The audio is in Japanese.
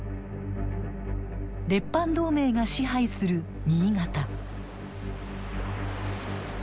列藩同盟が支配する新潟。